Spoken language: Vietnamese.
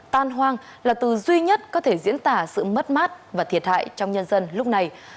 tan hoang là từ duy nhất có thể diễn tả sự mất mát và thiệt hại trong nhân dân lúc này